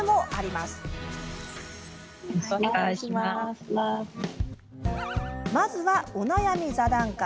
まずは、お悩み座談会。